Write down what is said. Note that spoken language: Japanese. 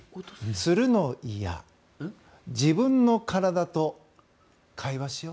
「つるの嫌自分の体と会話しよう」。